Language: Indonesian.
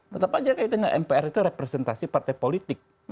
tetap aja kaitannya mpr itu representasi partai politik